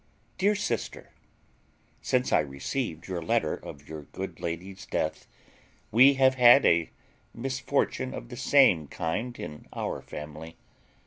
"DEAR SISTER, Since I received your letter of your good lady's death, we have had a misfortune of the same kind in our family.